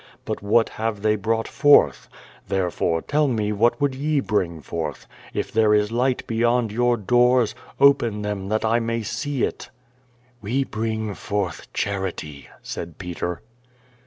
But what have they brought foi th? Therefore, tell me what would ye bring forth? If there is light beyond your dooi*s, open them that 1 may see it." "We bring forth charity," said Peter.